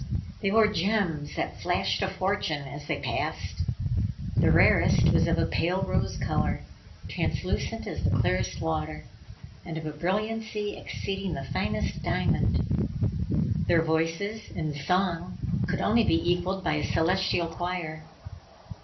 They wore gems that flashed a fortune as they passed. The rarest was of a pale rose color, translucent as the clearest water, and of a brilliancy exceeding the finest diamond. Their voices, in song, could only be equaled by a celestial choir.